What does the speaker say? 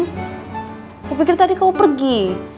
ya aku pikir tadi kamu pergi